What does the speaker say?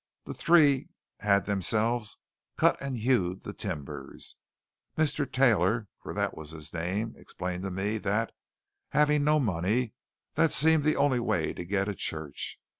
The three had themselves cut and hewed the timbers. Mr. Taylor, for that was his name, explained to me that, having no money, that seemed the the only way to get a church.